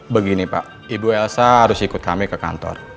begini pak ibu elsa harus ikut kami ke kantor